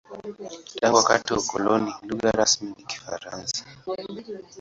Tangu wakati wa ukoloni, lugha rasmi ni Kifaransa.